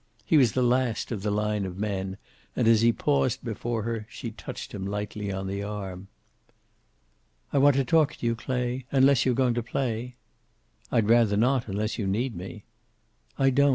He was the last of the line of men, and as he paused before her she touched him lightly on the arm. "I want to talk to you, Clay. Unless you're going to play." "I'd rather not, unless you need me." "I don't.